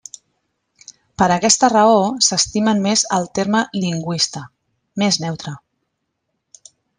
Per aquesta raó s'estimen més el terme lingüista, més neutre.